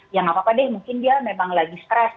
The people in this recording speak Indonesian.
ya nggak apa apa deh mungkin dia memang lagi stres